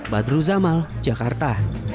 badru zamal jakarta